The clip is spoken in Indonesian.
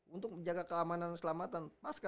untuk menjaga keamanan dan selamatan pasca